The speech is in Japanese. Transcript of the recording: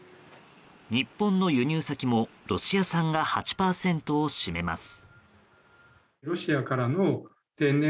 日本の輸入先もロシア産が８％を占めます。